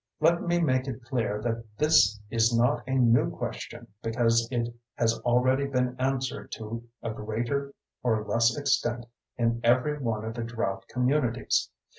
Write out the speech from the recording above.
Let me make it clear that this is not a new question because it has already been answered to a greater or less extent in every one of the drought communities.